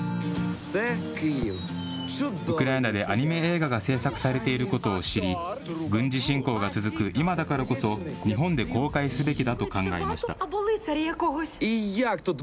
ウクライナでアニメ映画が製作されていることを知り、軍事侵攻が続く今だからこそ、日本で公開すべきだと考えました。